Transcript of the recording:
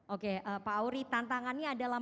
oke pak auri tantangannya adalah